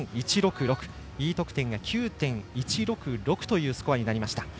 Ｅ得点が９．１６６というスコアになりました。